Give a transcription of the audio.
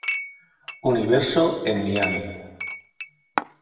Universo en Miami.